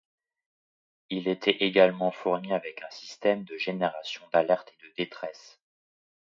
Il était également fourni avec un système de génération d'alerte de détresse.